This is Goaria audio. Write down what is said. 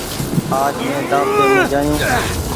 آج مين دآوتي مين جآيو۔